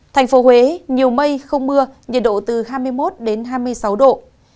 thành phố huế nhiều mây không mưa nhiệt độ từ hai mươi một hai mươi sáu độ